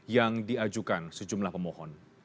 yang diajukan sejumlah pemohon